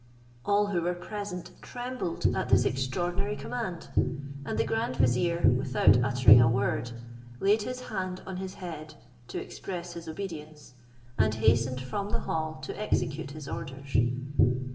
All who were present trembled at this extraordinary command; and the grand vizier, without uttering a word, laid his hand on his head, to express his obedience, and hastened from the hall to execute his orders.